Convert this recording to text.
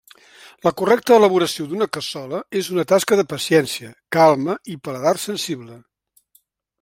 La correcta elaboració d'una cassola és una tasca de paciència, calma i paladar sensible.